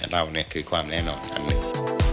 เรานี่คือความแน่นอนอันนึง